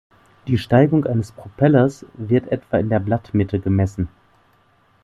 Die Steigung eines Propellers wird etwa in der Blattmitte gemessen.